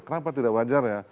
kenapa tidak wajar ya